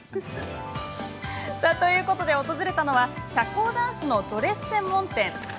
ということで訪れたのは社交ダンスのドレス専門店。